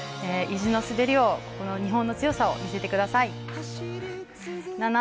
意地の滑りを日本の強さを見せてください。